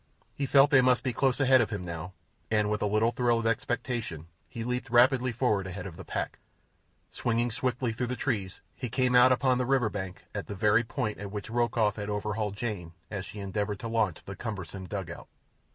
He felt they must be close ahead of him now, and, with a little thrill of expectation, he leaped rapidly forward ahead of the pack. Swinging swiftly through the trees, he came out upon the river bank at the very point at which Rokoff had overhauled Jane as she endeavoured to launch the cumbersome dugout.